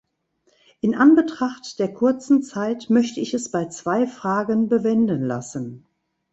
In Anbetracht der kurzen Zeit möchte ich es bei zwei Fragen bewenden lassen.